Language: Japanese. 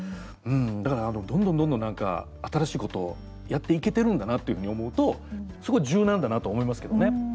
だから、どんどんどんどん新しいことをやっていけてるんだなっていうふうに思うとすごい柔軟だなと思いますけどね。